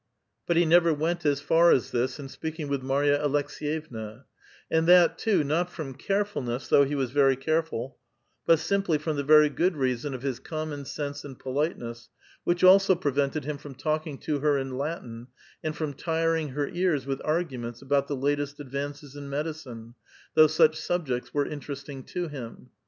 But he never went as far as this in speaking with Marya Aleks^yevna; and that, too, not from carefulness, though he was very careful, but simply from the very good reason of his common sense and politeness, which also prevented him from talking to her in Latin, and from tiring her ears with arguments about the latest advances in medicine, though such subjects were interesting to him.